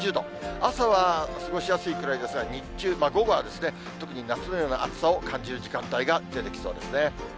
朝は過ごしやすいくらいですが、日中、午後は特に夏のような暑さを感じる時間帯が出てきそうですね。